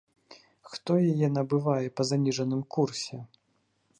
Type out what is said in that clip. Хто яе набывае па заніжаным курсе?